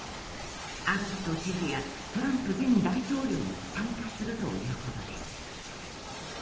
アボット知事やトランプ前大統領も参加するということです。